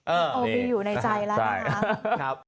โอบีอยู่ในใจแล้วนะครับ